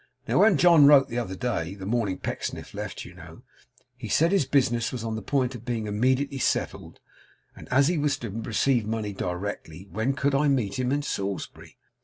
Now, when John wrote the other day the morning Pecksniff left, you know he said his business was on the point of being immediately settled, and as he was to receive his money directly, when could I meet him at Salisbury?